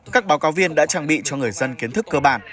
các báo cáo viên đã trang bị cho người dân kiến thức cơ bản